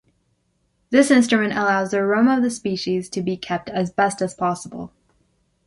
This instrument allows the aroma of the species to be kept as best as possible.